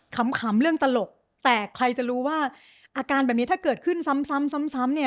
ขำเรื่องตลกแต่ใครจะรู้ว่าอาการแบบนี้ถ้าเกิดขึ้นซ้ำซ้ำเนี่ย